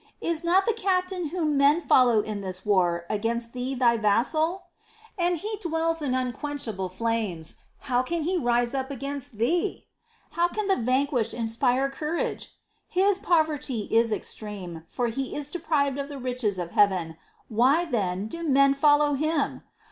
Is not the captain whom men follow in this war against Thee Thy vassal ? And he, dwells in unquenchable flames — how can he rise up against Thee ? How can the vanquished inspire courage ? His poverty is extreme, for he is deprived of the riches of heaven ; why, then, do men follow him